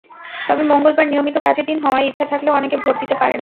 তবে মঙ্গলবার নিয়মিত কাজের দিন হওয়ায় ইচ্ছা থাকলেও অনেকে ভোট দিতে পারেন না।